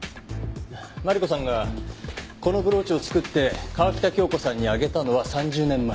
マリコさんがこのブローチを作って川喜多京子さんにあげたのは３０年前。